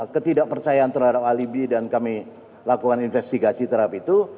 ketidakpercayaan terhadap alibi dan kami lakukan investigasi terhadap itu